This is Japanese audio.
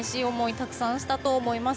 たくさんしたと思います。